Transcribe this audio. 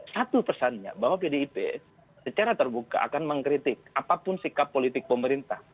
satu pesannya bahwa pdip secara terbuka akan mengkritik apapun sikap politik pemerintah